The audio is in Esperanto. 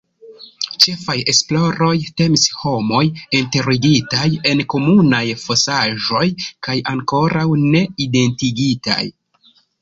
Ĉefaj esploroj temis homoj enterigitaj en komunaj fosaĵoj, kaj ankoraŭ ne identigitaj.